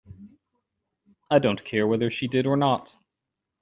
I don't care whether she did or not.